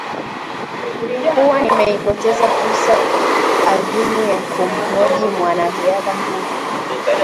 kuwa nimeipoteza fursa adhimu ya kumhoji mwanariadha nguli